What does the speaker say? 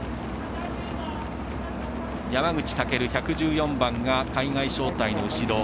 山口武、１１４番が海外招待の後ろ。